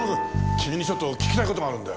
君にちょっと聞きたい事があるんだよ。